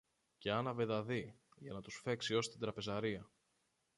και άναβε δαδί, για να τους φέξει ως την τραπεζαρία.